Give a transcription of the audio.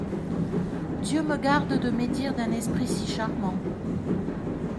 Dieu me garde de médire d'un esprit si charmant.